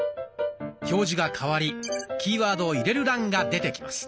表示が変わりキーワードを入れる欄が出てきます。